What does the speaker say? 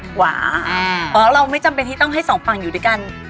เพราะเราไม่จำเป็นที่ต้องให้สองฝั่งอยู่ด้วยกัน